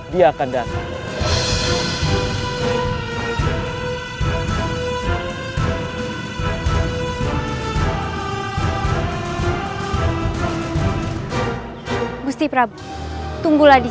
dia akan datang kembali